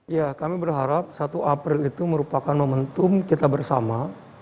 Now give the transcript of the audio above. ya kami berharap satu april itu merupakan momentum kita bersama